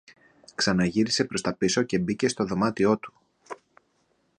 Ξαναγύρισε προς τα πίσω και μπήκε στο δωμάτιό του